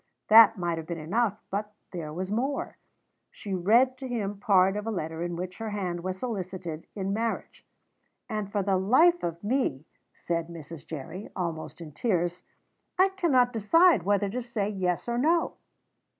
That might have been enough, but there was more: she read to him part of a letter in which her hand was solicited in marriage. "And, for the life of me," said Mrs. Jerry, almost in tears, "I cannot decide whether to say yes or no."